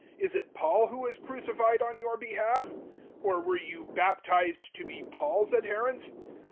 Is it Paul who was crucified on your behalf? Or were you baptized to be Paul's adherents?